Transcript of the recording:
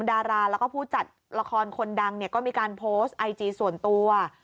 ดาราแล้วก็ผู้จัดละครคนดังเนี่ยก็มีการโพสต์ไอจีส่วนตัว